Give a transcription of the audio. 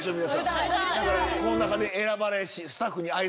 この中で選ばれし。